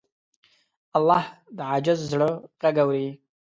الله د عاجز زړه غږ اوري.